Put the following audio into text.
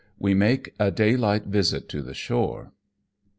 WE MAKE A DAYLIGHT VISIT TO THE SHORE.